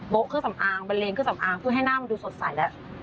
เครื่องสำอางบันเลงเครื่องสำอางเพื่อให้หน้ามันดูสดใสแล้ว